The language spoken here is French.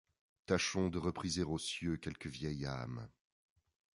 Tâchons de repriser aux cieux quelque vieille âme ;